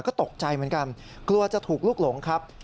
ก็ตกใจเหมือนกันกลัวจะถูกลูกหลงครับ